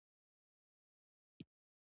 ماشومان د باغ ګلونه دي